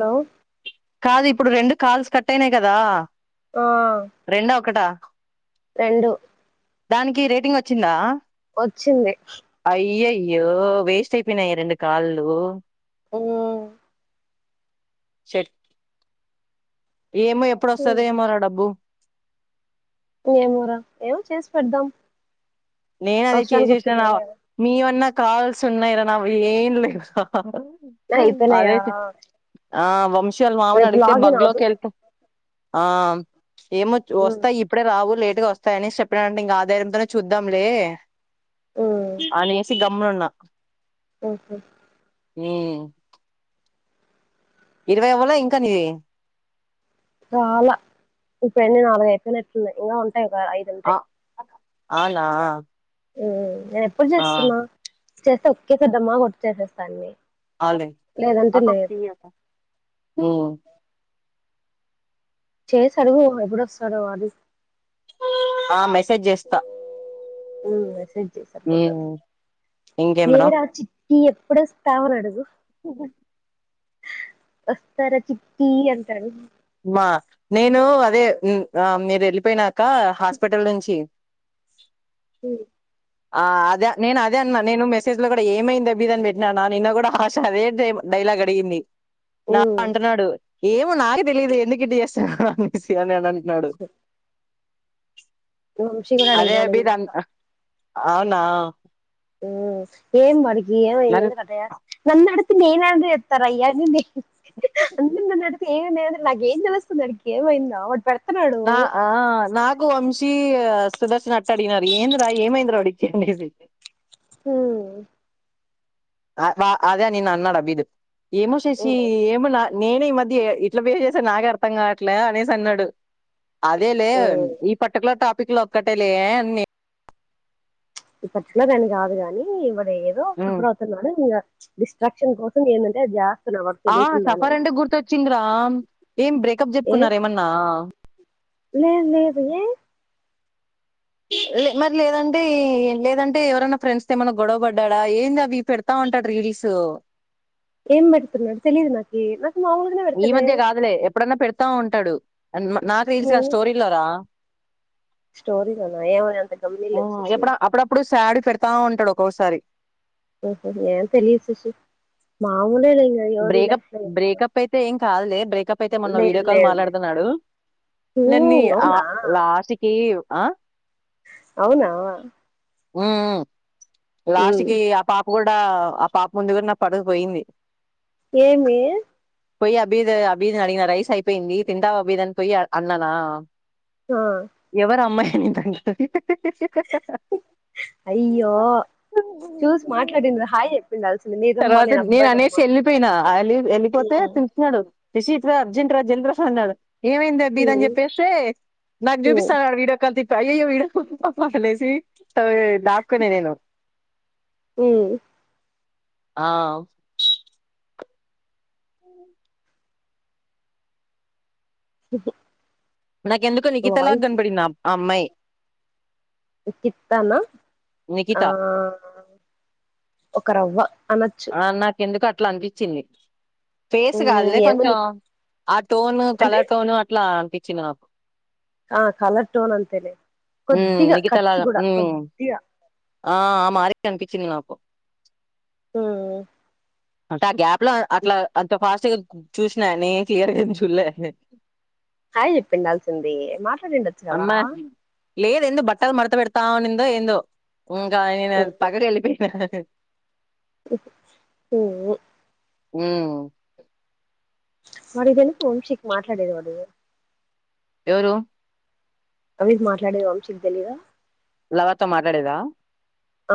Hello. కాదు ఇప్పుడు రెండు కాల్స్ కట్ట్ అయినాయి కదా. ఆ రెండా ఒకటా. రెండు. దానికి రేటింగ్ ఓచ్చిందా. ఓచ్చింది. అయ్యో వేస్ట్ అయిపోయియా రెండు కాలు. ఉమ్. షెట్. ఏమో ఎపుడస్తాదో ఏమో రా డబ్బు ఏమొరా ఏమో చేసి పెడదాం నేను అదే అవసరానికి వస్తే చేసేసినరా చేయలే కదా మీవన్నా కాల్సున్నైరా నావి ఏన్లే. ఆహ్ అయిపోయినయా. ఆహ్ వంశీ అల్ మావనడిగితే బగ్లోకెలుపో. ఆమ్ ఏమో చు మ్మ్ ఓస్తాయి ఇప్పుడే రావు లేటుగా వస్తాయి అనేసి చెప్పినడంట ఇంకా ఆ ధైర్యం తోనే చూద్ద ద్దంలే అనేసి గమ్మనున్నా ఉహు మ్ ఇరవై అవలే ఇంకా నీవి చాలా ఇప్పుడు ఎన్ని నాలుగైపోనట్లున్నాయి. ఇంగా ఉంటాయి, ఒక ఐదు ఆ, ఉంటాయి. ఆనా మ్ నేను ఎప్పుడు ఆ. చేస్తున్నా చేస్తా ఒక్చేద్దమ్మా కొట్టి చేసేస్తాన్ని. అవునన్ ఆహ్ నీ యబ్బా మ్ చేసాడుగు ఎప్పుడోసరో అది ఆ మెసేజేస్తా. ఉ మెసేజ్ నేన్ ఏడా చిట్టి ఎప్పుడస్తావనడుగు వస్తార చిట్టి అంటాడు. వ నేను అదే మ్ అ మీరేళ్ళిపోయినాక హాస్పిటల్ నుంచి ఉ ఆ అదా నేను అదేన్న నేను మెసేజ్ లో కూడా ఏమైంది దబ్బిదాని పెట్టినా నిన్న కూడా ఆశ అదే ఎలాగడిగింది నాకు హ్మ్ అంటున్నాడు ఏమో నాకే తెలిదు ఎందుకు ఇటు చేస్తా అనేసి అనన్ నాడు వంశీ కూడా అదే అడిగినాడు బి దన్ ఇందాక హ అవునా మ్ ఏం వడికి ఎంవైంది ఎందుకట్టచేస్తా నన్ నన్నడుతే నేన అందేతారాయ్య నేన అన్నంనడుతే నగేన్స్త సుందడికి కేవైందా అని పెడ నా ఆ నాకు వంశీ సుదర్శన అట్టగిడినారు ఏంద త ఏమైంది రా వాడిచ్చిండేసి ఉ ఆ వ అదే నిన్న అన్నాడుబ్బిదు ఏమో శశి హ్మ్ ఏమో ల నేనే ఈ మధ్య ఏ ఇట్లా బిహే చేసాను నాకే అర్థంగాట్లే అనేసి అన్నాడు. అదేలే హ్మ్ ఈ పర్టికులర్ టాపిక్ లో ఒక్కటే లే అన్ని ప్చ్ ఇ పర్టికులర్ అని కాదు కాగాని మరేదో ఉమ్. సఫరవుతున్నాడు ఇంకా ప్చ్ డిస్ట్రాక్ట్ పింఛన్ కోసం ఏదంటే జ ఆ సఫర్ అంటే గుర్తొచ్చింది రామ్ ఏం బ్రేకప్ చెప్పుకున్నార ఏమన్నా? లెద్ లెదు ఏ? లె మరి లేదంటే ఏం లేదంటే ఎవరన్నా ఫ్రెండ్స్ తో ఏమన్నా గొడవ పడ్డడా ఏందవి పెడాత తాంటాడు రిల్సు ఏం బెడుతున్నాడు తెలిదు నాకి నా ఈ మధ్య కాదులే ఎప్పుడన్నా పెడతా ఉంటాడు. అన్ మ నాకు తెల్సి హ్మ్ స్టోరీలో రా స్టోరీలోనా ఏమో అంత ఓ గమనీయలేదు శశి ఎప్పుడ అప్పుడప్పుడు సెడ్ పెడతా ఉంటాడు. ఓసారి ఓహో ఏం తెలిదు శశి మావ్ బ్రేకప్ బ్రేకప్ అయితే ఏం కాదులే బ్రేకప్ అయితే మొన్న లేదు వీడియో కాల్ లేదులే మాట్లాడ్తున్నాడు. ఉమ్ నన్నీ ఆ అవునా లాస్ట్కి ఆ అవునా ఉహ్ ఉమ్ లాస్ట్కి ఆ పా కూడా ఆ పాప ముందు కూడా నా పరువు పోయింది ఏమీ పోయి అబీద్ అబీద్ని అడిగిన రైస్ అయిపోయింది తింటావా అబీద్ అని పోయ్ అన్నానా ఆ ఎవరు అమ్మాయని ఇంతకి హి హి హి హి హ హ అయ్యో చూసి మాట్లాడిందా హాయ్ చెప్పిండాల్సిందే నెజమ్మ నేను అబ్బాయినమ్మా అని స్నాడు రిసిత్ రా అర్జెంట్ రా జల్ది రా అన్నాడు ఏమైందె బీద అని చెప్పేస్తే నాకు ఉమ్ చూపిస్తానడు వీడియో కాల్ తి అయ్యయ్యో విడ అనేసి త దాక్కునే నేను ఉమ్ ఆ నాకెందుకో నిఖితలాగా వాయిస్ కనపడిండ్ ఆ ఆ అమ్మాయి ని కిత్తన ఆ నిఖిత ఒక రవ్వ అనొచ్చు ఎందుకు అట్లా అనిపిచ్చింది ఫేస్ ఉమ్ కాదులె కొంచెం ఏమని ఆ టోను అంటే కలర్ టోను అట్లా అనిపిచ్చింది నాకు ఆ కలర్ టోన్ అంతేలే ఉమ్, కొద్దిగా నిఖిత కట్స్ లాగా గూడ ఉమ్, కొద్దిగా ఆ ఆ మారె అనిపిచ్చింది నాకు హు అంటే ఆ గ్యాప్ లో ఆ అట్లా అంత ఫాస్ట్ గా చూస్నానే క్లియర్గా ఎం చూళ్ళే హాయ్ చెప్పిండాల్సింది మాట్లాడిండొచ్చువా అమ్మా లేదు ఏందో బట్టల్ మడత వెడతా అనిందొ ఏందో ఇంగ ఈమె పగడి వెళ్ళిపోయినా హుమ్ ఉమ్ వాడికి తెలుసు వంశీకి మాట్లాడేది వాడు ఎవరు అవిగ్ మాట్లాడేది వంశీకి తెలీదా లవర్ తో మాట్లాడేదా ఆ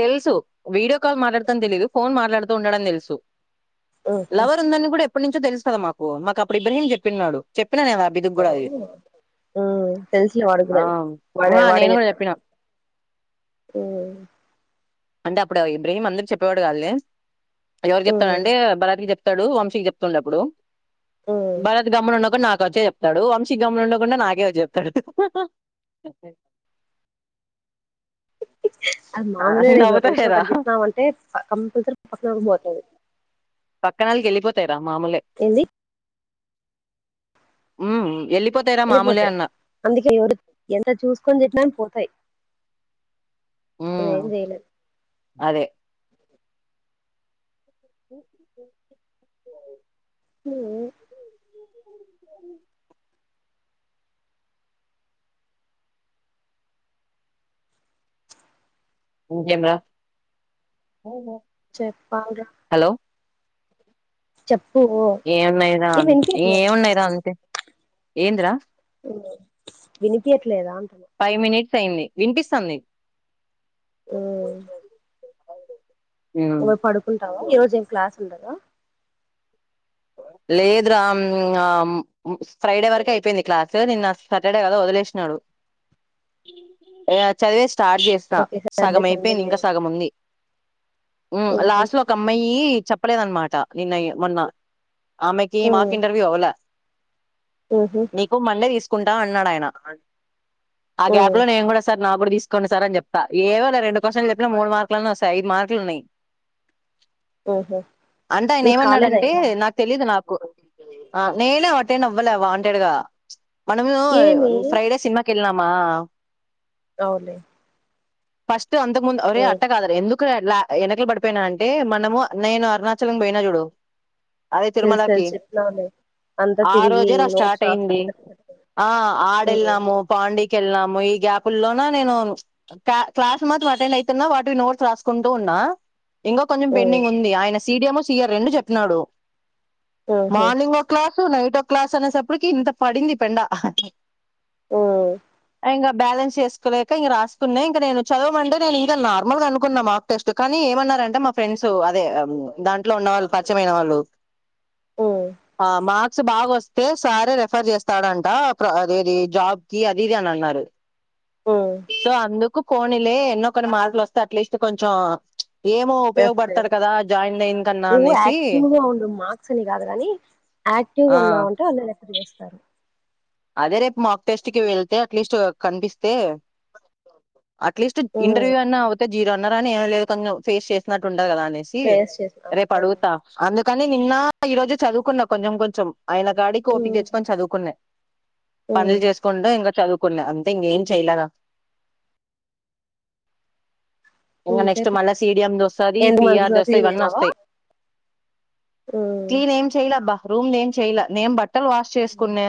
తెలుసు వీడియో కాల్ మాట్లాడుత అని తెలిదు ఫోన్ మాట్లాడుతూ ఉండడని తెలుసు మ్మ్ లవర్ ఉందని గూడ ఎప్పటినుంచో తెలుసు కదా మాకు మాకు అప్పుడు ఇబ్ర్రాహీం చెప్పిన్నాడు చెప్ చేపిన నేను అభికి గూడ అది ఉ తెలిసి వాడిక్ గూడ ఆ అది వాడే ఆ, వాడే నేను కూడా చెప్పడు చెప్పిన ఆ అంటే అప్పుడు ఇబ్రహీం అందర్ చెప్పవాడు గాద్ల్ ఎవరు చెప్తాడ్ మ్మ్ అంటే భారత్ కి చెప్త్ టాడు వంశీకి చెప్తుండే అపుడు మ్మ్ భరత్ గమ్మున ఉండక నాక్ వచ్చే చెప్తాడు వంశీ గమ్మున ఉండకుండా నాకే వోచి చెప్తాడు అది ఆ మామోలే లె ఒకరి విషయం నవ్వుతాయిరా ఒకరికి చెప్పినవంటే క కంపల్సరీ పక్కన బోతది పక్కనళ్కి వెళ్ళిపోతాయిర మామూలే ఉమ్ ఏళ్ళి వెళ్ళిపోతాయ్ అందుకే ఎవరు ఎంత చూసుకొని చిట్నా పోతాయి ఉమ్ మనమేం చేయలేం అదే ఉమ్ ఇంకేం రా చెప్పాల్ రా చెప్ ఏమైనా అంత్ ఏమున్నాయి రా అంతే ఏందిరా వినిపియ్యట్లేదా మిస్ అయింది విన్పిస్తాంది ఉమ్మ్ ఉమ్ నువ్ పడుకుంటావా ఈ రోజేం క్లాస్ ఉండదా లేద్ర అ మ్ ఫ్రైడే వరకు అయిపోయింది క్లాసు నిన్న సాటర్డే వర వదిలేస్నాడు ఎ అద్ చదెస్ స్టార్ట్ జేస్తా ఓకే సాటర్డే సండే సగమైపోయింది. ఇంకా లేదు సగముంది. ఉమ్ మ్మ్ హు లాస్ట్ లో ఒక అమ్మాయి చెప్పలేదన్న్మాట నిన్నయి మొన్న ఆమెకి మాక్ ఉమ్ ఇంటర్వ్యూ అవ్వలే ఉహు నీకు మండే తీస్కుంటా అన్నాడఆయన ఆ గ్యాప్ ఉమ్ లో నేన్ గూడా సర నాగూడ తీస్కోండి సార్ అన్ జేప్తా. ఏవో ఒక రెండు క్యూస్షన్లు జెప్పినా మూడు మార్కులన్నా వస్తయ్. ఐదు మార్కులున్నాయ్. ఉహు అంటే ఆయ్న నీకు కాలేదా ఏమన్నాడుంటే ఇంగా నాక్ నాకు అ నేనే అటేన్డ్ అవ్వలే వాంటెడ్గా మనము ఏమి ఫ్రైడే సినిమాకి వెళ్ళినామా. అవులే ఫస్ట్ అంతక్ ముంద్ ఒరే ఉమ్ అట్టాకాదురే ఎందుక్ ఒకవెలా ఎనకల్ పడిపోయినా అంటే మనము నేను అరుణాచలం పోయిన జుడు తెల్స్ తెల్స్ ఎట్లవుందొ ఆ రోజే రా స్టార్ట్ అయింది సరిపోతది. ఆ ఉమ్ ఆడేళ్ళాము పాండి కెళ్ళాము ఈ గ్యాపుల్లోన నేను క్ల క్లాస్ మాత్రం అటెండ్ ఐతున్నా వాటి నోట్స్ రాస్కుంటూ ఉన్నా అ ఇంగో కొంచం ఉమ్ పెండింగ్ ఉంది. ఆయన సడిఎం సియర్ రెండు చెప్పినాడు. ఉహు మార్నింగ్ ఓక సు నైట్ ఓ క్లాస్ అనేసప్పటికి ఇంత పడింది పెండ ఉ ఇంగా బ్యాలెన్స్ చేస్కోలేక ఇంగ రాస్కున్నా ఇంక నేను చదవమంటే నేనింకా నార్మల్ గా అనుకున్నా మాక్ టెస్ట్ కానీ ఏమన్నారంటే మా ఫ్రెండ్సు అదే దాంట్లో ఉన్నవాళ్ళ్ పరిచమైన వాళ్ళు ఉమ్ ఆ మాక్ స్ బాగోస్తే సారే రెఫర్ చేస్తాడంట. ప్ర అదెది జాబ్ కి అది ఇది అన్ అన్నారు ఉమ్ సో అందుకు కోనిలే ఎన్నోకొన్ని మార్కులోస్తే అట్లీస్ట్ కొంచం ఏమో రెఫరెన్స్ ఉపయోగపడ్తాద్ కదా జాయినింగ్ కన్నా నువ్వు అనేసి యాక్టివ్ గా ఉండు మార్క్స్ అని గాద్ గాని యాక్టివ్ గా ఆ ఉన్నవంటే వాళ్ళే రేఫర్ చేస్తారు. అదే రేప్ మాక్ టెస్ట్ కి వెళ్తే అట్లీస్ట్ కన్పిస్తే అట్లీస్ట్ ఉమ్ ఇంటర్వ్యూ అన్నా అవుతే జీరో అన్నారాని ఏమిలేద్ కొంచం ఫేస్ చేసినట్ ఉంటద్ గదా అనేసి ఫేస్ చేసినా రేప్ అంతేలే అడుగుతా అందుకని నిన్న ఈ రోజు చదువుకున్న కొంచం కొంచం ఆయన కాడికోపిక్ ఉమ్ తెచ్చుకొని చదువుకున్న పనుల్ ఉమ్ జేస్కుంటె ఇంగ చదువుకున్నా అంతే ఇంగేం చెయలేర ఇంగ నెక్స్ట్ అంతేలే మళ్ళా సీడిఎం దోస్తాది ఎందుకు పిఆర్ మంచిగా దస్తాయ్ క్లీన్ చేసినావా ఇవన్నస్తాయ్ ఉమ్ క్లీన్ ఏం చెయలేబ్బా రూమ్ ఏం చెయలే నేం బట్టలు వాష్ చేస్కున్నా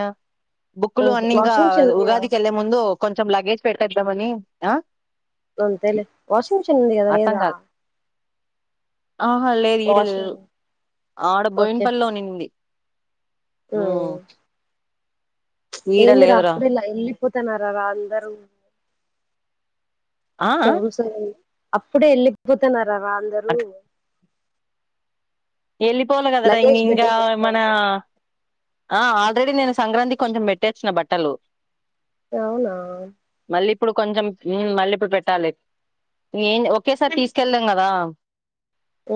బుక్కులు ఉహు అన్ని ఇంకా వాషింగ్ మిషన్ ఉంది కదా ఉగాదికేళ్ళే ముందు కొంచం లగేజ్ పెట్టేద్దామని అంతెలే వాషింగ్ మిషన్ ఉంది కదా అర్థం లేదా కాదు ఆహా లేద్ ఈడ లేదు వాషింగ్ ఆడ బోయిన్ ఓకే పల్లిలో నింది ఓ ఉమ్ ఏందిరా అప్పుడే ల వెళ్ళిపోతున్నారా రా అందరూ ఆ ఆ సదువు చదువు అప్పుడే వెళ్ళిపోతన్నారా రా అందరూ వెళ్ళిపోలే కదరా ఇం లగేజ్ ఇంగా పెట్టేసి మనా వస్తాంటే ఆ ఆల్రెడీ నేను సంక్రాంతి కొంచం పెట్టేసిన బట్టలు అవునా మళ్ళీ ఇప్పుడు కొంచం ఉమ్ మళ్ళీప్పుడ్ పెట్టాలి ఏంద్ ఒక్కెసారి తీసుకెళ్దం గదా ఉ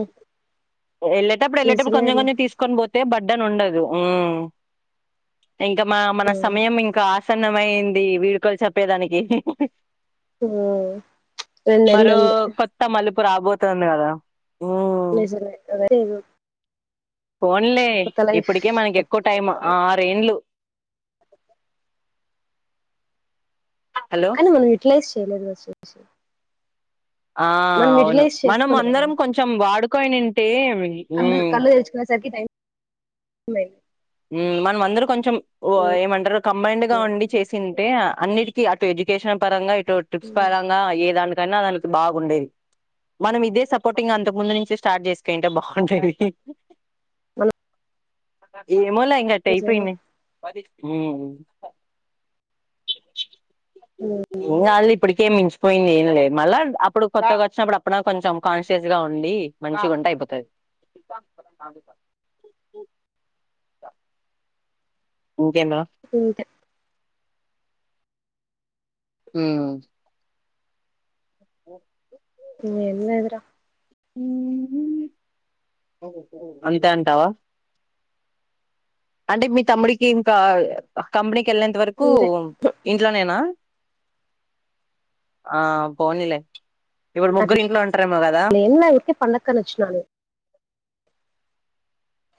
వెళ్ళేటప్పుడ్ వెళ్ళేటప్పుడ్ కొంచం కొంచం తీస్కొన్ బోతే బడ్డన్ ఉండదు ఊ ఇంకా మా మన ఉమ్, సమయం ఇంకా ఆసన్నమయింది. వీడ్కోలు చెప్పేదానికి ఉమ్. రెండు నెలలు మరో ఉంది కొత్త మలుపు రాబోతోంది గదా నిజమే [unintelligible] పోన్లే కొత్త లైఫ్ ఇప్పటికే మనకి కొత్త ఎక్కువ టైం కొత్త లైఫ్. ఆరేండ్లు హలో కానీ మనం యూటిలైజ్ చేయలేదు అస్ అసలు ఆహ్ అవును మనం చేసుకోలే కదా అందరం కొంచెం వాడుకోయినుంటే కళ్ళు కళ్ళు తెచ్చుకునే సరికి టైమైంది మనమందరూ కొంచెం వ ఏమంటరు కంబైండ్ గా ఉమ్ ఉండి చేసింటే అన్నిటికీ అటు ఎడ్యుకేషన్ పరంగా ఇటు ట్రిప్స్ ఉమ్. పరంగా ఏ దానికైనా అదానికి బాగుండేది మనం ఇదే సపోర్టింగ్ అంతకు ముందు నుంచి స్టార్ట్ చేసుకుంటే బావుండెది మన ఏమోలే ఇంగట్టయిపోయింది అంతే ఇగా అది ఇప్పటికే మించి పోయింది ఏం లేదు మళ్ళా అప్పుడు కొత్తగ ఒచ్చినప్పుడు అప్పుడా కొంచెం కాన్షియస్ గా ఉండి మంచిగుంటే అయిపోతది ఇంకేందిరా మ్ ఏంలేదురా అంతే అంటావా అంటే మీ తమ్ముడికి ఇంకా కంపెనీకి ఎళ్ళంత వరకూ అంతే ఇంట్లోనేనా ఆ పోనిలే ఇప్పుడు ముగ్గురు అట్లా ఇంట్లో ఉంటరేమో గదా ఏం లే ఊరికే పండక్కని వచ్చినాను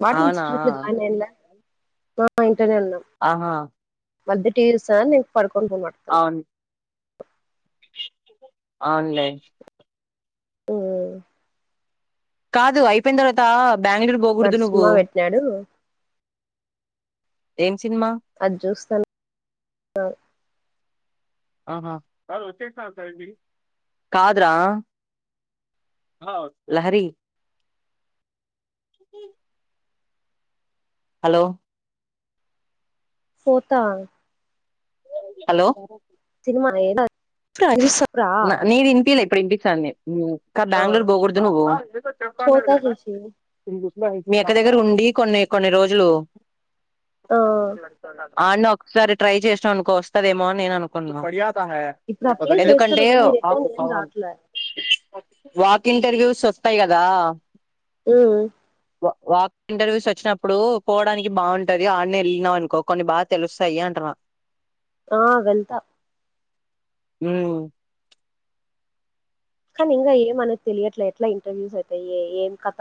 వాడింగ్ ఇన్స్టిట్యూట్ లొ జాయిన్ అయిండుగా [inaudible] ఆహా వాళ్ళిద్దరూ టీవీ చూస్తారు కానీ నేను పండుకొని ఫోన్ మాట్లాడుతున్న అవును లే మ్మ్ కాదు అయిపోయిన్ తర్వాత బెంగళూరు వాడు బొకొడదు నువ్వు సినిమా పెట్టినాడు దేన్ అద్ చూస్తాను అ కాదు రా లహరి హలో పోత హలో సినిమా [unintelligible] న నిది ఇనిపియలే ఇప్పుడు ఇనిపిస్తాంది నిది మ్ క్క ఆ బ్యాంగళూరు బొకొడదు నువ్వు పోతా శశి మీ అక్క దగ్గర ఉండి కొన్ని కొన్ని రోజులు ఆ అన్నె ఒక్కసారి ట్రై చేశినవ్ అనుకో వస్తదేమో అని నేను అనుకున్న ఇప్పుడు అప్లై ఎదు అంటే చేస్తాను కానీ రిటర్న్ ఏం రావట్లే వాక్ ఇంటర్వ్యూస్ ఉంటాయి గదా ఉమ్ వ వాక్ ఇంటర్వ్యూస్ ఒచ్చినప్పుడు పోవడానికి బావుంటది ఆడనే ఎళ్ళినావు అనుకో కొన్ని బాగా తెలుస్తాయి అంటున్న ఆ వేత్త ఉమ్ కనీ ఇంగ ఏమనేద్ తెలియట్లే ఎట్ల ఇంటర్వ్యూస్ అయితాయి ఏ ఏం క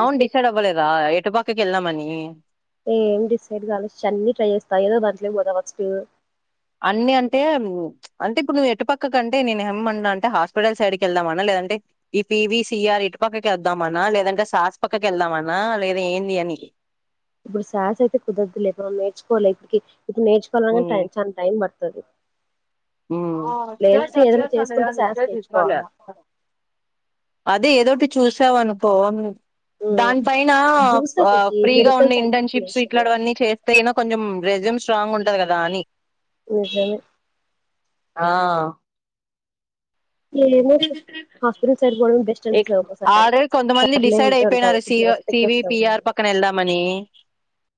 అవున్ డిసైడ్ అవ్వలేదా ఎటు పక్కక్ వెల్దామనీ ఏం డిసైడ్ గాలె చన్నీ ట్రై చేస్తా ఏదో దాంట్లకి పోతా ఫస్టు అన్ని అంటే అంటే ఇప్పుడు నువ్ ఎటుపక్కకి కంటే నేను హేమ్ అన్నా అంటే హాస్పటల్ సైడ్ కి ఏళ్దాం అన లే లేదంటే ఈ పివిసిఆర్ ఇటు పక్కకి ఏళ్దాం అన్న లేదంటే సాస్ పక్కకి ఏళ్దామన్నా లేదా ఏంది అని [inaudible] ఇప్పుస్ సాసయితే కుదరదులె మనం నేర్చుకొలేం ఇప్పటికి ఇప్పుడ్ నేర్చుకోవాలన్న ఉమ్, టైమ్ చా టైం పడ్ తది. ఆ చేస్తా చేస్తాలె చేసుకుంటే శాస్ ఇంకా కాలే నేర్చుకోవాలా అదే ఏదోటి చుసావన్కోన్ దాన్ పైన చూస్తా ఆ శశి ఫ్రీగా మెడికల్ ఉండే ఇంటర్న్ షిప్స్ సైంటిఫికేషన్ ఇక్కడ వన్నీ చేస్తే గిన కొంచం రెస్యూమ్ స్ట్రాంగ్ ఉంటది గదా అని నిజమే. ఆ ఏం జెప్పు. హాస్పిటల్ సైడ్ పోడం బెస్ట్ అనిపిస్తది ఒక్కోసారి ఆల్రెడీ కొంతమంది సర్లే డిసైడ్ ఉంటే ఉంటది కొద్ది రెస్పెక్ట్ ఒస్తది. ఎందమనీ